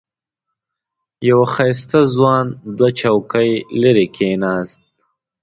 یو ښایسته ځوان دوه چوکۍ لرې کېناست.